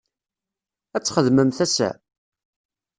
Ad txedmemt ass-a?